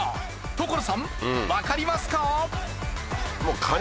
所さんわかりますか？